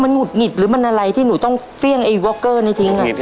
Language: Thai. หุดหงิดหรือมันอะไรที่หนูต้องเฟี่ยงไอ้ว็อกเกอร์นี้ทิ้ง